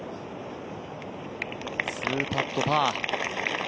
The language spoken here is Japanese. ２パットパー。